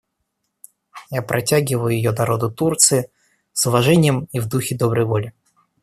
Я протягиваю ее народу Турции, с уважением и в духе доброй воли.